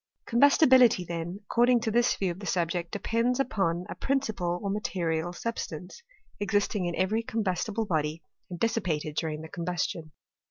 Clombustibility then, according to this view of the VOL. I. s 258 HISTOEY OF CHEMISTEY, subject, depends upon a principle or material sub stance, existing in every combustible body, and dis sipated during the combustion.